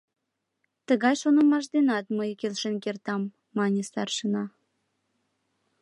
— Тыгай шонымаш денат мый келшен кертам, — мане старшина.